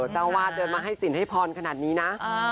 จังหวาดมากกว่าให้สินให้พรขนาดนี้นะ